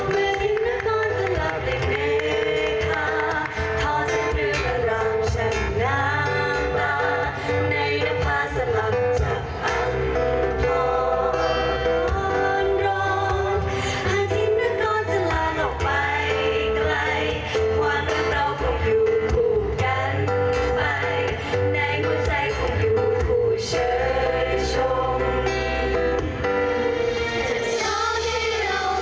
เมื่อทิ้งน้ำก้อนจะหลับในเมฆาะท่อจะลืมอารามฉันน้ำตาในหน้าผ้าสลับจะปันพร้อมร้อน